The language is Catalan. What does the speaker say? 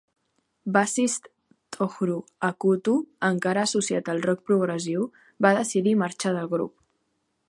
Bassist Tohru Akutu, encara associat al rock progressiu, va decidir marxar del grup.